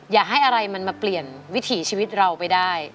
อย่าให้อะไรมันมาเปลี่ยนวิถีชีวิตเราไปได้